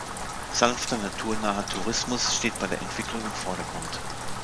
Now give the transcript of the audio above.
Sanfter, naturnaher Tourismus steht bei der Entwicklung im Vordergrund.